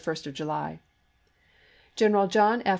first of July. General John F.